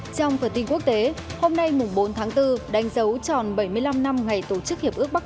trong phần tin quốc tế hôm nay bốn tháng bốn đánh dấu tròn bảy mươi năm năm ngày tổ chức hiệp ước bắc